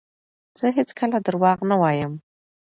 زه هیڅکله درواغ نه وایم.